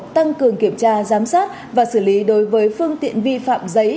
tăng cường kiểm tra giám sát và xử lý đối với phương tiện vi phạm giấy